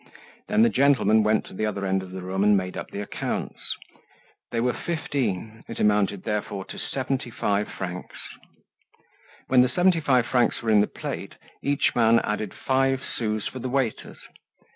Then the gentlemen went to the other end of the room, and made up the accounts. They were fifteen; it amounted therefore to seventy five francs. When the seventy five francs were in the plate, each man added five sous for the waiters.